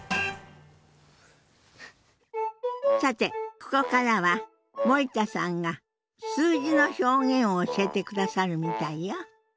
さてここからは森田さんが数字の表現を教えてくださるみたいよ。